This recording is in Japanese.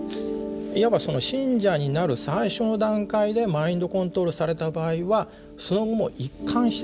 いわばその信者になる最初の段階でマインドコントロールされた場合はその後も一貫してですね